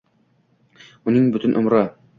Uning butun umri